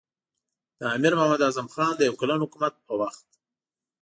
د امیر محمد اعظم خان د یو کلن حکومت په وخت.